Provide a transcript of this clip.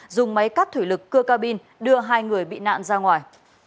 dùng máy cắt thủy lực cưa ca bin đưa hai người bị nạn ra ngoài